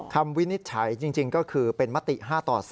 วินิจฉัยจริงก็คือเป็นมติ๕ต่อ๓